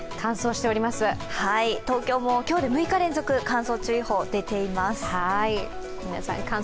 東京も今日で６日連続乾燥注意報、出ています。